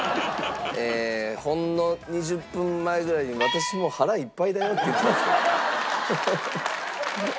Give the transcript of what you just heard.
ほんの２０分前ぐらいに「私もう腹いっぱいだよ」って言ってました。